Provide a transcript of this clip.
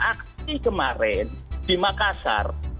aksi kemarin di makassar